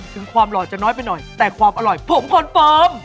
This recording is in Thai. ถึงความรอดจะน้อยเป็นหน่อยแต่ความอร่อยผมคลนโปรม